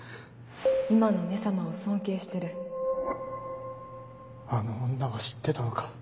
今の「め様」を尊敬してるあの女は知ってたのか。